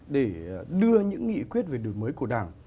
để đưa những nghị quyết về đổi mới của đảng